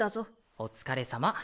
おつかれさま。